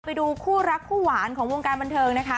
ไปดูคู่รักคู่หวานของวงการบันเทิงนะคะ